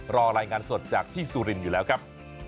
รายงานสดจากที่สุรินทร์อยู่แล้วครับ